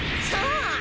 そう！